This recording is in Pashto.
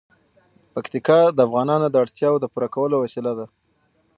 پکتیکا د افغانانو د اړتیاوو د پوره کولو وسیله ده.